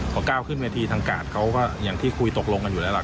พอก้าวขึ้นเวทีทางกาดเขาก็อย่างที่คุยตกลงกันอยู่แล้วล่ะ